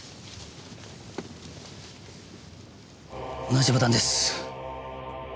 同じボタンです。